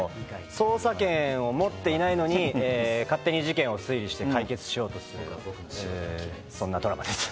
捜査権を持っていないのに、勝手に事件を推理して解決しようとする、そんなドラマです。